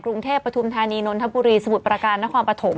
กรุงเทพปฐุมธานีนนทบุรีสมุทรประการนครปฐม